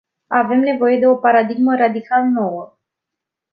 Avem nevoie de o paradigmă radical nouă.